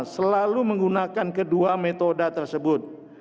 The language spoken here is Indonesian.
selalu menggunakan kedua metode tersebut